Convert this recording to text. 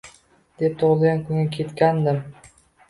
Deb tug’ilgan kunga ketgandim